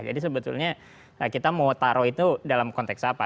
jadi sebetulnya kita mau taruh itu dalam konteks apa